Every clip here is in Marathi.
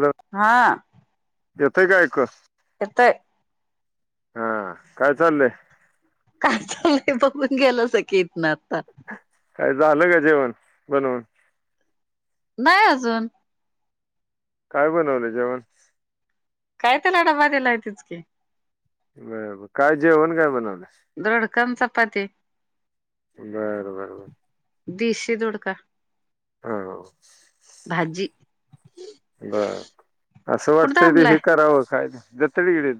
हॅलो हा येतय का ऐकु येतय. हा काय चाललंय. काय बघून गेलं सकत ना तर काय झालं का जेवण बनवून नाही अजून काय बनवलं जेवण काय त्याला डबा दिलाय तच क बरर काय जेवण काय बनवले दडकनचा प ते बर बर बर दिीश दोडका हा भाजी बर असं कुठं वाटतय तेी थांबलाय हे करावं कायद जतडी गिडेत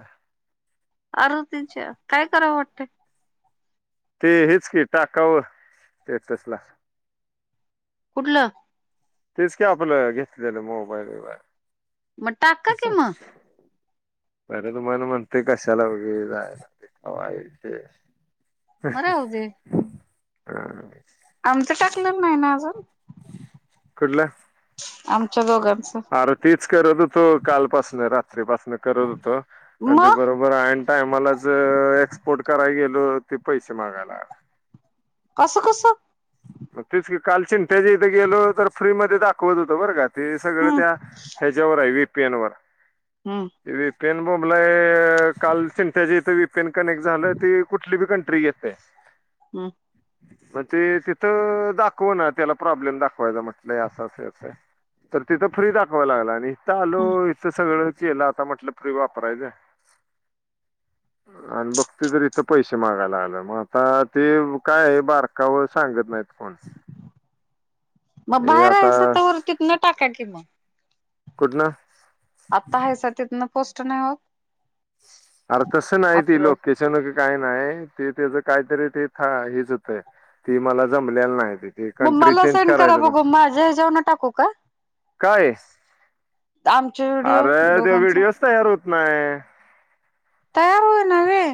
अरतीच्या काय करावं वाटतं ते हेच की टाकावं ते तसला कुठलं तेच काय आपलं घेतलेलं मोबाईल व मटाका किव बरं तुम्हाला म्हणते कशाला वगैरे जायला ते वा ते मरा होते [unintelligible] ना अजून कुठला आमच्या दोघां आरं तीच करत होतो कालपासन रात्रीपासन करत होतो आणि ते मग बरोबर ऐनटाइम मला ज एक्सपोर्ट कराय गेलो ते पैसे मागायला आला असं कसं मग तेच कि काल चिंट्याच्या इथं गेलो तर फ्री मध्ये दाखवत होतं बरं का ते सगळं हम्म त्या ह्याच्यावर आहे [unintelligible] हम्म पेन बोंबलाय काल चिंट्याच्या हिथं बी कनेक्ट झालं ती कुठली बी कंट्री येतंय हम्म बर ते दाखवना त्याला प्रॉब्लेम दाखवायचा मग [unintelligible] तर तिथं फ्री दाखवा लागलाय आणि आलो हम्म इथं सगळं त्याला आता म्हटलं फ्री वापरायचं. आणि बघतो तर इथं पैसे मागाय लागले मग आता ते काय ए [unintelligible] सांगत नाहीत. कोण मग हे बाहेर आता हायसा तवर तिथनं टाक कर की म कुठनं? आत्ता आहेसा तिथनं पोस्ट नाही होत? अरं तसं नाय ती अपलोड लोकेशन वेग काही नाही ते त्याच काहीतरी ते हेच होतय ती मला जमलेलं नाय. म मला सेंड करा बघू माझ्या हेज्यावरन टाकू का? कुठं हाईस? आमचे व्हिडिओ आरं तो दोघांचा व्हिडिओच तयार होत नाय. तयार होयना व्हय?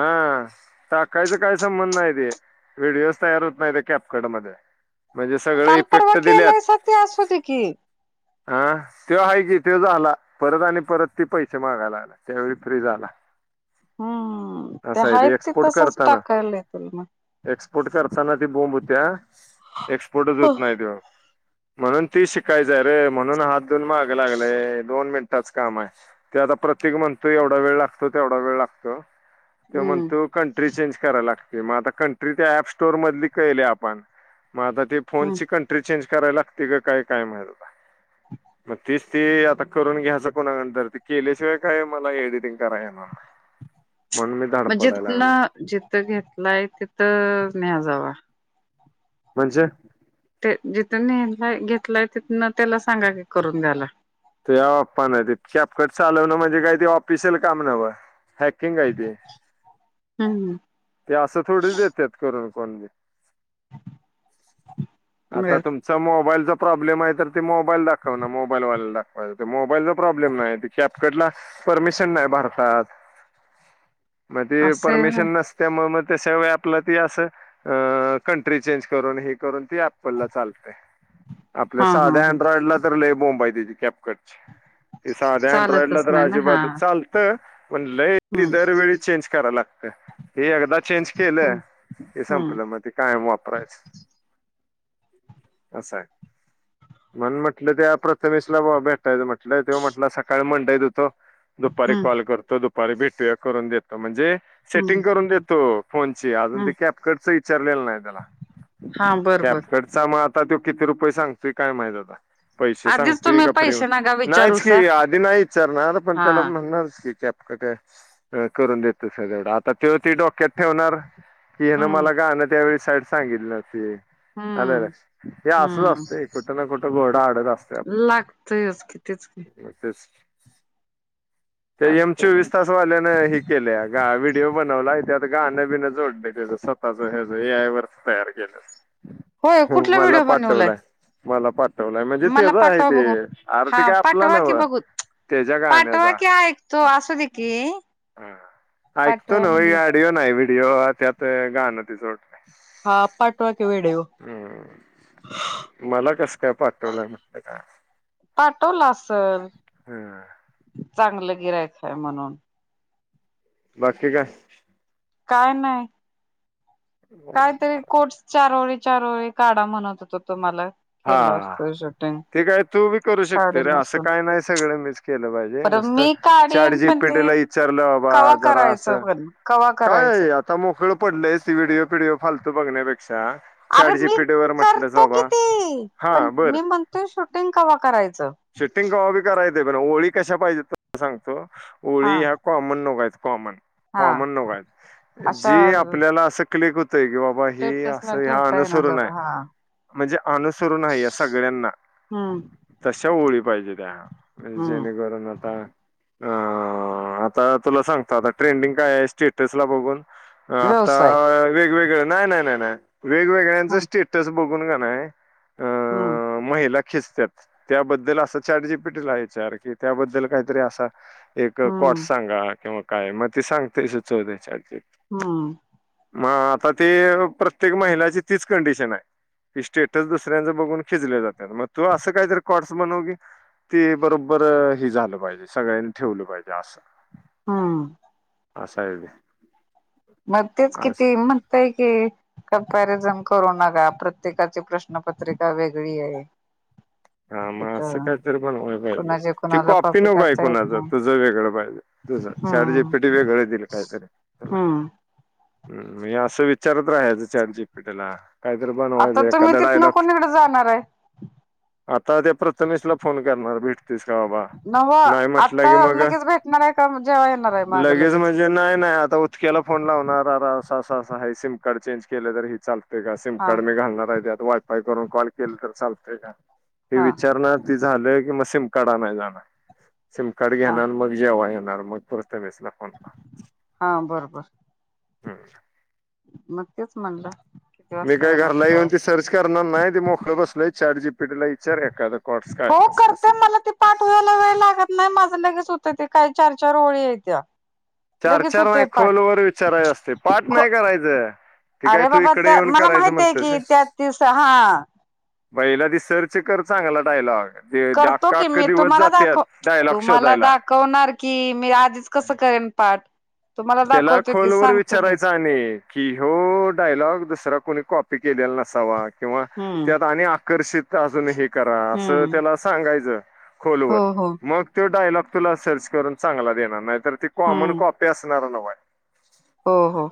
हा टाकायचा काही संबंध नाही ते व्हिडिओच तयार होत नाही ते कॅपकड मध्ये. म्हणजे सगळे काल परवा इफेक्ट दिल्यात केलायसा ते असू दे की. हा त्यो हाय की त्यो झाला.. परत आणि परत ती पैसे मागायला आलाय त्यावेळी फ्री झाला. हम्म. ह ते असं आहे हाईत ते एक्सपोर्ट तसंच टाकाल्या तुला म पोर्ट करताना ती बोम्ब हुत्या. एक्सपोर्टच होत नाही तेव्हा. म्हणून ती शिकायचाय रे म्हणून हात धुऊन माग लागलंय. दोन मिनिटांच काम आहे. ते आता प्रत्येक म्हणतो एवढा वेळ लागतो, तेवढा वेळ लागतो. त्यो हम्म म्हणतो कंट्री चेंज कराय लागतंय मग आता कंट्री त्या ऍप स्टोअरमधली केली आपण मग आता ते हम्म फोनची कंट्री चेंज कराय लागते का काय काय माहित आता. म तेच ते आता करून घ्यायचं कोणाकडून तर ते केल्याशिवाय काय मला एडिटिंग कराय येणार नाही. म्हणून मी धड म्हणजे पडायला लागलो. ना जिथं घेतलंय तिथं [unintelligible] म्हणजे जिथून नेलाय घेतलाय तिथनं त्याला सांगा की करून द्यायला ते [unintelligible] कॅपकट चालवणं म्हणजे काय ते ऑफिशियल काम नव्हं. हॅकिंग आहे ते हम्म ते असं थोडीच देत्यात करून कोण बी. आता बर तुमचा मोबाईलचा प्रॉब्लेम आहे तर ते मोबाईल दाखवणार मोबाईलवाल्याला [unintelligible] मोबाईलचा प्रॉब्लेम नाही कॅपकटला परमिशन नाही भारतात. म ते असं आहे होय परमिशन नसत्या [unintelligible] तशा अँप ते असं अ कंट्री चेंज करून हे करून ते अँपलला चालतंय. आपल्या हा हा साध्या हा अँड्रॉइडला तर लय [unintelligible] ते साध्या अँड्रॉइडला चालतच तर नाही ना हा अजिबात चालतं पण लई ते हम्म दरवेळी चेंज कराय ला त हे एकदा चेंज केलं हम्म की हम्म संपलं मग ते कायम वापरायचं. असं आहे, म्हणून म्हटलं त्या प्रथमेशला बाबा भे टायचं म्हटलं त्यो म्हटला सकाळी [unintelligible] [unintelligible] देतो. दुपारी हम्म कॉल करतो दु पारी भेटूया करून देतो म्हणजे हम्म सेटिंग करून देतो फोनची अजून हम्म ते कॅपकटच इ चारलेलं नाही त्याला हा बर बर कॅपकटचा म आता त्यो किती रुपये सांगतोय काय माहित आता? पैसे आधीच सांगतोय तुम्ही का फ्री म पैसे नका नाहीच विचारूसा की, आधी नाही विचारणार पण हा त्याला म्हणणारच की कॅप [unintelligible] करून देतासा काय? आता त्यो ती डोक्यात ठेवणार की ह्यानं हम्म मला काय अन त्यावेळेस साईड सांगितली नव्हती. आलं का हम्म लक्षात हे असंच हम्म असतंय कुठं ना कुठं घोडा आडत असतंय आप तेच की तेच की. ते एम चालतय चोवीस तास वाल्यानं हे केलंय अगं व्हिडिओ बनवलाय त्यात गाणं बिन जोडलं त्याचं स्वतःच ह्याचं ऐ आय वरच तयार केलं. होय कुठला मला व्हिडिओ बनवलाय? पाठवलाय मला पा ठवलाय म्हणजे त्याजं आहे ते हां आर्थिक आपला पाठवा की नव्ह बघूत त्याच्या पाठवा गाण्याचा की ऐकतो असू दे की ऐकतो पाठवा ना म्हणलं. ऑडिओ नाही व्हिडिओ त्यात गाणं [unintelligible] हा पाठवा की व्हिडिओ हम् मला कस काय पाठवलं म्हटलं काय? पाठवला. चल चांगलं गिराईक आहे म्हणून. बाकी काय काय नाय. काहीतरी कोर्स चार व चार ओळी काढा म्हणत होतो तुम्हाला. हा केलं असत शूटिंग ते काय तू बी करू शकते साडी रे असं नेसून काय नाय सगळं मीच केलं पाहिजे पर नुसतं मी काढेन चारटजी, पण ते पेटीला विचारलं बा बा कवा जरा अस करायचं पण कवा करायचं काय आता मोकळ पडलंय ते व्हडीओ बिडिओ फालतू बघण्यापेक्षा अच्छा अरे साडीची मी पिठे वैगर म्हटलं रे करतो बाबा. किती पण हा बरं मी म्हणतोय शूटिंग कव्हा करायचं? ते ब ओळी कशा पाहिजेत ते सांगतो. हा ओळी ह्या कॉमन नकोयत कॉमन हा कॉमन नोकय अशा जी आपल्याला असं क्लिक होत. की बाबा ही स्टेटसला असं हे ठेवता ये ना अनुसरून जग आहे हा म्, हणजे स हम्म तशा ओळी पाहिजे त्या हम्म जेणेकरून आता अ आता तुला सांगत आता ट्रेंडिंग काय आहे स्टेटस ला बघून अ आता व्यवसाय वेगवेगळ नाही नाही नाही नाही वेगवेगळ्यांच हम्म सेटस बघून का नाही हम्म खिचतात त्याबद्दल असं चॅट जी पीटीला याच्यार की त्याबद्दल काहीतरी असा एक कॉट हम्म सांगा किंवा काय मग ते सांगते सुचव द्याच्याज हम्म मग आता ते प्रत्येक महिलाची तीच कंडिशन आहे की स्टेट च दुसऱ्यांच बघून खिचले जाते मग तू असं काहीतरी कॉडस बनवू की तेी बरोबर हे झालं पाहिजे सगळ्यांनी ठेवलं पाहिजे असं हा आसाा आहेे मग तेच किती म्हणतय कि... कम्पॅरिझन करू नका प्रत्येकाची प्रश्नपत्रिका वेगळी आहे. हा मग असं तिथं काहीतरी बण पाहिजे कुणाचे ती कुणाला कॉपी नको आहे करता येत कुणाचं नाही तुझ वेगळं पाहिजे तुझ शारजी हम्म पेटी वेगळं देईल काहीतरी तुला... हम्म मी असं विचारत राहाचं चॅट जी पी टी जी ला.. काहीतरी आता बनवायचं तुम्ही एखादा तिथ न डायलॉग कोणीकडे जाणार आहे. ते प्रथमेशला फोन करणार भेट... तीस का बाबा नव नाही म्हटलं आता की मग लगेच भेटणार आहे का जेव्हा येणार आहे मागं लगेच म्हणजे नाही नाही आता उदक्याला फोन लावणार.... स स असं हे सिम कार्ड चेंज केलं तरी चाल... ते सिम हा कार्ड मी घालणार आहेत. वायफाय करून कॉल केले तर चालतय का... हे हा विचारणा ती झालं की मग सिम... कार्ड आणायला जाणार. सिम कार्ड हा घेणार आणि मग जेवाय येणार. मग... बेसला फोन... हा बरोबर हम्म.. मग तेच म्हणलं... किती मी वाजता काही येणार घरला जेव्हा येऊन ती सर्च करणार नाही ते मोकळ बसलंय... चॅट जी पी टी ला विचार एखादा कॉट्स काय हो कस कस करते मला ते पाठवायला वेळ लागत नाही माझं लगेच... होत ते काय चार चार ओळी आहेत त्या... चार लगेच चार नाही होतय पाठ खोल व विचाराय असते पाठ खो नाही करायचं ते काय अरे तू बाबा इकडे त्या येऊन मला करायचं माहित मग आहे की तस... त्या तीस हा बहिला दि सर्च कर चांगला डायलॉग... करतो अख्खा की अख्खा मी दिवस तुम्हाला जात्यात दाखव डायलॉग तुम्हाला शोधायला दाखवणार की मी आधीच कसं करेन पाठ... तुम्हाला त्याला दाखवतो की खोलवर सांगतो की विचारायचा आणि कि हो डायलॉग दुसरा.... कोणी कॉपी केलेला नसावा.... किंवा हम्म त्यात आणि... आकर्षित अजून हे.... करा अस हम्म त्याला सांगायचं हो खोलवर हो मग तो डायलॉग.... तुला सर्च करून चांगला देणार नाही... तर ती कॉमन हम्म कॉपी असतो घेणार हो हो...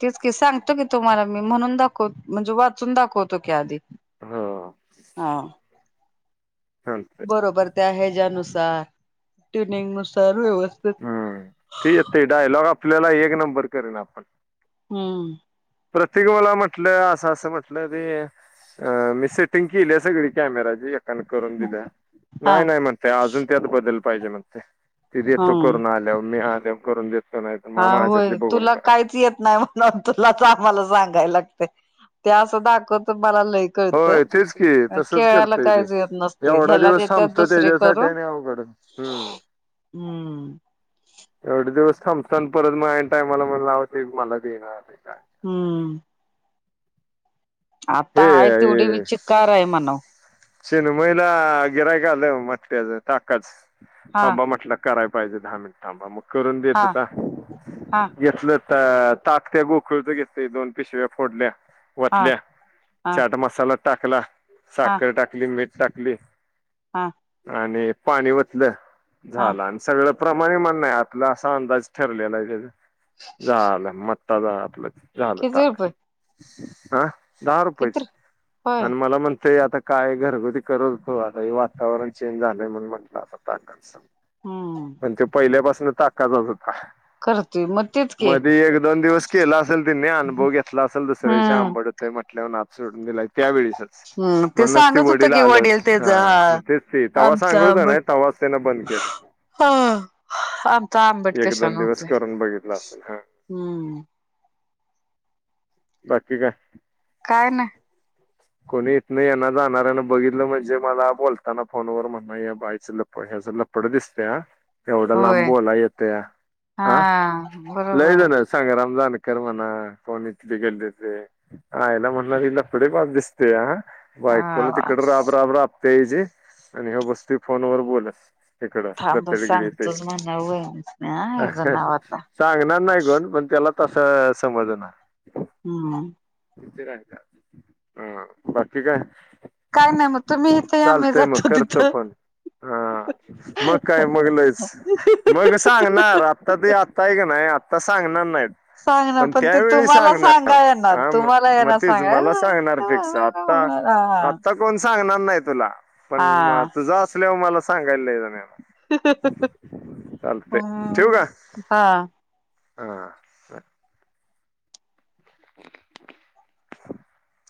तेीच की सांगतो की तुम्हाला मी म्हणून दाखवत म्हणजे वाचून दाखवतो की आधी हो हा चालतंय बरोबर ते ह [unintelligible] हम्म तेठीक तेडयलॉ आपल्याला एक नंबर करेन आपण हम्म. प्रत्येक मला म्हटलं असं असं म्हटलं ते अ मी सेटिंग केली सगळी कॅमेराची कनकोरंद आहे नाय हा ना नाहीय म्ह मतेय अजंत अ बदल पाहिजे म तिथ तो हम्म करून आल्या मी करून देत. हा होय तुला काहीच येत नाही म्हणून तुला मला सांगाय. ते असं दाखवत मला लय कळतं होय तेच की तसच केळयला करतय ते. काहीच येत नसते एवढा ह्याला दिवस येत थांबतो दुसरे त्याच्यासाठी करून आणि अवघड हम्म. हम्म. एवढे दिवस थांबताना परत मग टायमाला म्हण लावते मला देणार. काय. हम्म. हे आता आहे तेवढी विचकार आहे म्हनव शेन महिला गिराय का आले म अज ताकाच हा हांबा म्हटलं कराय. हिे दहा मिनिटां मग करून हा देतता हा घेतलं. तर ताकत्या गोखळच घेत दोन पिशव्या फोडल्या. हा वतल्या. हा चाट मसाला टाकला. हा साखर टाकली म टाकले. हा. आणि पाणी वतल हा झाला आणि सगळं. प्रमाणे म्हण नाही आपला असा अंदाज ठरलेला आहे त्या झालं म तदा आपलं. झालं किती ताक रुपये हा किती होय आणि मला म्हण ते आता काय घरगुती करत होो आता हे वातावरण चेंज झालंय म्हण म्हटलं आता ताक च हम्म पण ते पहिल्यापासून टाक का करतोय मग तेच की मध एक दोन दिवस केला असेल तिने अनुभव घेतला असेल दुसऱ्या हम्म दिवशीआंबट होते म्हटल्या सोडून दिला त्यावेळेस हम्म ते सांगत होत की वडल हा तेचा मग तेच ते हा तवा आमचा सांगत होता आंबट नाही तवाच त्यानं बंद केलं ह आम त आंबट एक कशा दोन दिवस नव्हते करून बघितलं असेल हा हम्म बाकी काय काय नाही कोणी इथंन येण्या जाणारना बघितलं म्हणजे मला बोलताना फोनवर म्हणलं या बाईच ह्याच लप्पड दिसते ह एवढा होय लांबूल येतया हा ह लय जा बरोबर ना सांग राम जा कर म्हणा कोणी इथ गेले ते आईला म्हणणार हे लफडेबाज च दिसं अ बायकुल हा तिकड राब राब राब तेजे आणि ह गोष्टी फोन वर बोललास इकडं थांब रत्तडगडीथ सांगतोच म्हणाव हेज नाव आता सांगणार नाही गण पण त्याला तसं समजणार. हम्म. इथे राय का? हम बाकी काय? काय नाही मग तुम्ही इथं या मी चालतंय मग जातो करतो तिथं फोन, हा मग काय मग लयच मग सांगणार आता ते आता आहे का नाही आ.. ता सांगणार नाहीत. सांगनार पण ते त्यावेळी तुम्हाला सांगणार सांगाय येनार, हा तुम्हाला मग येना तेच सांगाय मला सांगणार फिक्स आता आता कोण सांगणार नाही तुला पण हा म तुझं असल्यावर मला सांगायला लयजण येणार. चालतंय हम ठेवू का हा. हा. [unintelligible]